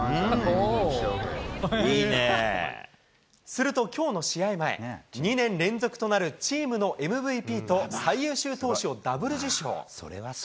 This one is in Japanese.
すると、きょうの試合前、２年連続となるチームのＭＶＰと最優秀投手をダブル受賞。